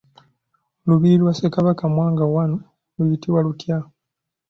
Lubiri lwa Ssekabaka Mwanga I luyitibwa lutya?